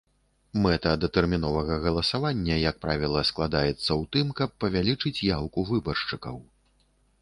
Мэта датэрміновага галасавання, як правіла, складаюцца ў тым, каб павялічыць яўку выбаршчыкаў.